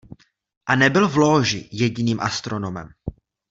A nebyl v lóži jediným astronomem.